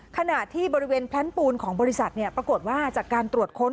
ขณะที่บริเวณแพลนปูนของบริษัทปรากฏว่าจากการตรวจค้น